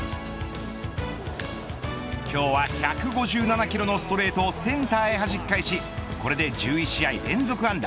今日は１５７キロのストレートをセンターへはじき返しこれで１１試合連続安打。